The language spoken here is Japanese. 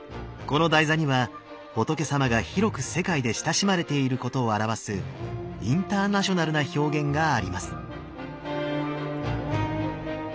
この台座には仏様が広く世界で親しまれていることを表すインターナショナルな表現があります。